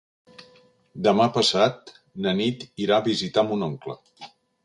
Demà passat na Nit irà a visitar mon oncle.